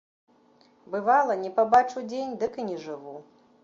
Бывала, не пабачу дзень, дык і не жыву.